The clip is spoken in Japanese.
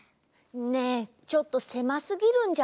ねえちょっとせますぎるんじゃない？